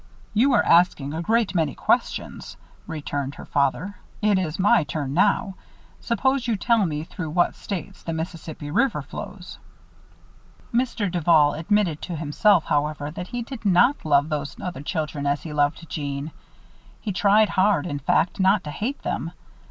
"You are asking a great many questions," returned her father. "It is my turn now. Suppose you tell me through what states the Mississippi River flows?" Mr. Duval admitted to himself, however, that he did not love those other children as he loved Jeanne. He tried hard, in fact, not to hate them.